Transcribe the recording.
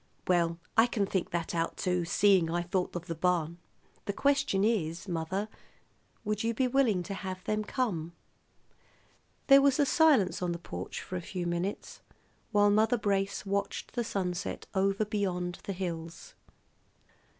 "Well, I can think that out, too, seeing I thought of the barn. The question is, mother, would you be willing to have them come!" There was silence on the porch for a few minutes while Mother Brace watched the sunset over beyond the hills.